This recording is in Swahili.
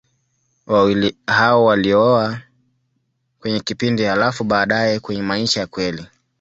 Wawili hao waliona kwenye kipindi, halafu baadaye kwenye maisha ya kweli.